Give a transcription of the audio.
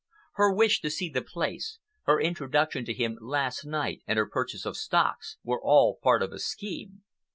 Her wish to see the place, her introduction to him last night and her purchase of stocks, were all part of a scheme.